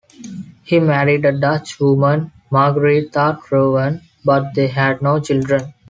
He married a Dutch woman, Margaritha Trovwen, but they had no children.